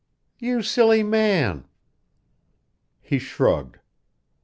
"You silly man!" He shrugged.